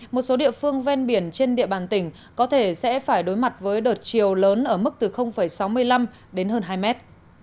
một số địa phương ven biển trên địa bàn tỉnh có thể sẽ phải đối mặt với đợt chiều lớn ở mức từ sáu mươi năm đến hơn hai mét